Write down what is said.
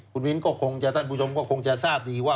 คุณมิ้นก็คงจะท่านผู้ชมก็คงจะทราบดีว่า